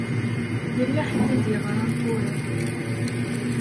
Yella ḥedd i d-yeɣṛan tura.